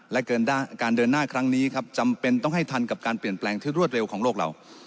และการเดินหน้าครั้งนี้ครับจำเป็นต้องให้ทันกับการเปลี่ยนแปลงที่รวดเร็วของโลกเรา